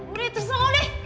beritahusah lu deh